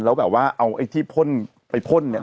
แล้วเอาไอ้ที่พ่นไปพ่นนี้